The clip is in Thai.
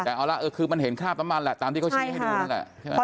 แต่เอาล่ะคือมันเห็นคราบน้ำมันแหละตามที่เขาชี้ให้ดูนั่นแหละใช่ไหม